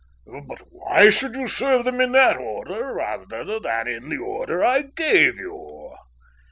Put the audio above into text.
"But why should you serve them in that order rather than in the order I gave you?"